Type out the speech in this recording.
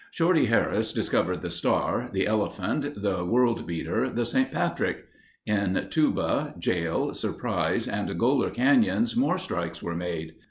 Shorty Harris discovered The Star, The Elephant, the World Beater, The St. Patrick. In Tuba, Jail, Surprise, and Goler Canyons more strikes were made.